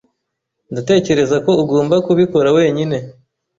Ndatekereza ko ugomba kubikora wenyine.